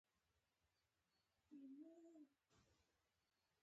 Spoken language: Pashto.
هغه د شرکت د خرڅلاو په هکله خبرې پیل کړې